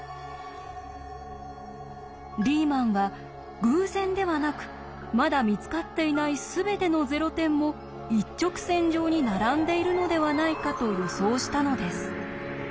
リーマンは偶然ではなくまだ見つかっていない全てのゼロ点も一直線上に並んでいるのではないかと予想したのです。